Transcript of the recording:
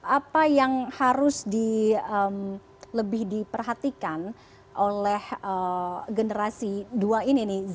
apa yang harus lebih diperhatikan oleh generasi dua ini nih